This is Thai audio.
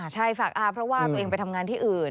ใช่ฝากอาเพราะว่าตัวเองไปทำงานที่อื่น